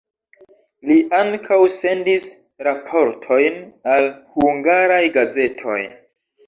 Li ankaŭ sendis raportojn al hungaraj gazetoj.